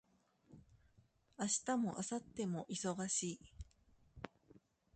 明日も明後日も忙しい